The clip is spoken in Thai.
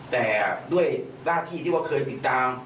แต่ด้วยหน้าที่ที่ว่าเคยติดตาม